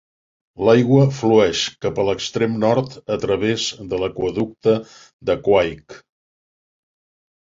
L'aigua flueix cap a l'extrem nord a través de l'aqüeducte de Cuaich.